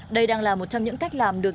đây đang là một trong những cách làm được